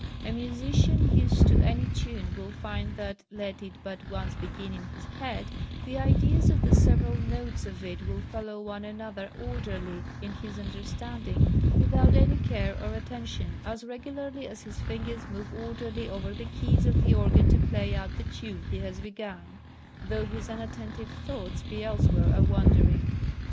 A musician used to any tune will find that, let it but once begin in his head, the ideas of the several notes of it will follow one another orderly in his understanding, without any care or attention, as regularly as his fingers move orderly over the keys of the organ to play out the tune he has begun, though his unattentive thoughts be elsewhere a wandering.